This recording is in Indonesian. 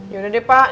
ya udah deh pak